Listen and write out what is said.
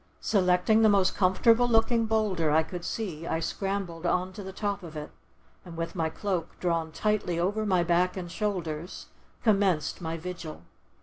Selecting the most comfortable looking boulder I could see, I scrambled on to the top of it, and, with my cloak drawn tightly over my back and shoulders, commenced my vigil.